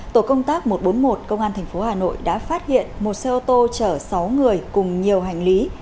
tổ công tác một trăm bốn mươi một công an tp hà nội đã phát hiện một xe ô tô chở sáu người cùng nhiều hành lý